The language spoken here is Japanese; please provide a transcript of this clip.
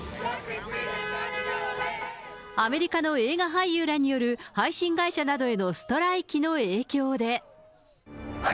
アメリカの映画俳優らによる配信会社などへのストライキの影響で。